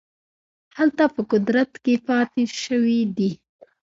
هلته په قدرت کې پاته شوي دي.